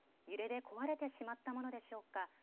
揺れで壊れてしまったものでしょうか。